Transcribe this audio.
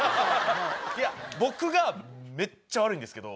僕がめっちゃ悪いんですけど。